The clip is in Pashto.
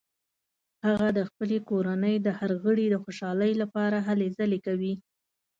هغه د خپلې کورنۍ د هر غړي د خوشحالۍ لپاره هلې ځلې کوي